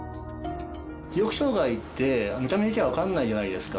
記憶障害って、見た目じゃ分からないじゃないですか。